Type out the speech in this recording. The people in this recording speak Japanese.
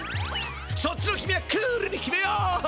そっちの君はクールに決めよう！